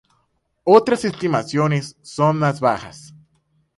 Otras estimaciones son más bajas.